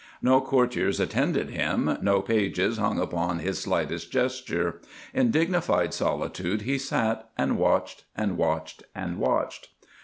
No courtiers attended him; no pages hung upon his slightest gesture. In dignified solitude he sat, and watched, and watched, and watched.